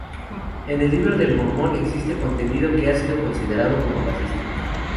En el Libro de Mormón existe contenido que ha sido considerado como racista.